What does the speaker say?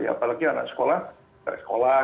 apalagi anak sekolah dari sekolah